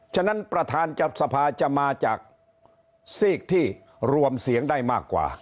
ฉะนั้นประธานจับสภาจะมาจากซีกที่รวมเสียงได้มากกว่า